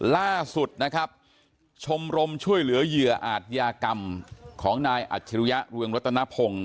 ล่าสุดนะครับชมรมช่วยเหลือเหยื่ออาจยากรรมของนายอัจฉริยะเรืองรัตนพงศ์